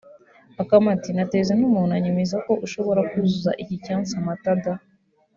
Bakarne iti “Nateze n'umuntu anyemeza ko ushobora kuzuza iki cyansi amata da